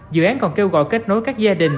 dự án còn kêu gọi kết nối các gia đình